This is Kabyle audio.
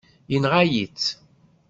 Yenɣa-yi-tt.